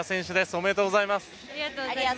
おめでとうございます。